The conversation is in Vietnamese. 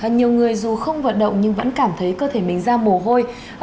nhiều người dù không vận động nhưng vẫn cảm thấy cơ thể mình ra mồ hôi